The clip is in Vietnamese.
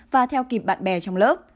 và theo kịp bạn bè trong lớp